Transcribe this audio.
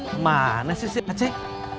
kemana sih si aceh